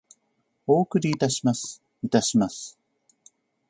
お送りいたします。いたします。